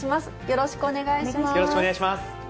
よろしくお願いします。